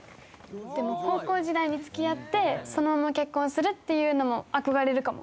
でも高校時代につきあって、そのまま結婚するっていうのも憧れるかも。